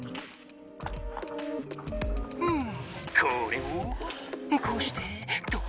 これをこうしてと！